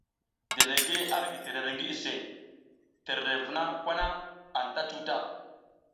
Delegue ara gi terere ngi iʼse, terere vuna kwa na anta cuta.